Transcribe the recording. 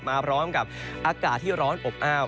มาพร้อมกับอากาศที่ร้อนอบอ้าว